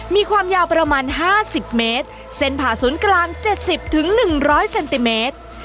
มีความยาวประมาณห้าสิบเมตรเส้นผ่าศูนย์กลางเจ็ดสิบถึงหนึ่งร้อยเซนติเมตร